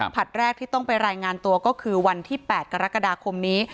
ผลัดแรกที่ต้องไปรายงานตัวก็คือวันที่๘กรกฎาคมนี้